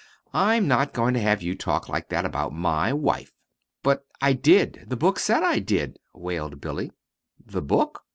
"I'm not going to have you talk like that about my wife!" "But I did the book said I did," wailed Billy. "The book?